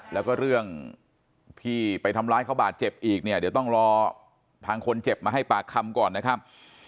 แล้วก็เรื่องที่ไปทำร้ายเขาบาดเจ็บอีกเนี่ยเดี๋ยวต้องรอทางคนเจ็บมาให้ปากคำก่อนนะครับ